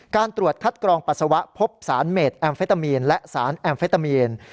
การตรวจคัดกรองปัสสาวะพบสารเมดแอมเฟตามีนและสารแอมเฟตามีน